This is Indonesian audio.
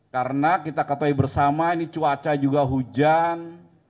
karena kita ketahui bersama ini cuaca juga hujan